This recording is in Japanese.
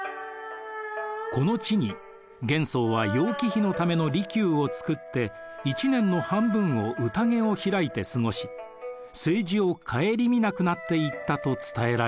この地に玄宗は楊貴妃のための離宮をつくって一年の半分をうたげを開いて過ごし政治を省みなくなっていったと伝えられています。